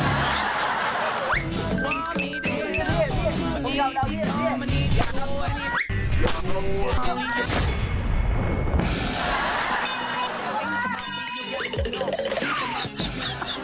ตัวหนีได้รีบเรียกเรียกเรียก